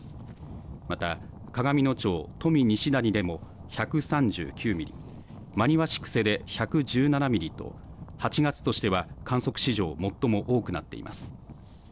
また、鏡野町富西谷でも１３９ミリ、真庭市久世で１１７ミリと、８月としては観測史上最も多くなっています。